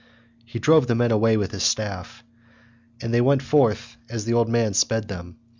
He drove the men away with his staff, and they went forth as the old man sped them.